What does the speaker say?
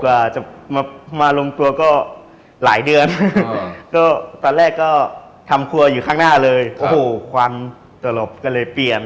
ว่าจะมาลงตัวก็หลายเดือนก็ตอนแรกก็ทำครัวอยู่ข้างหน้าเลยโอ้โหความตลบก็เลยเปลี่ยน